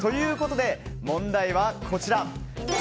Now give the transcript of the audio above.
問題はこちら。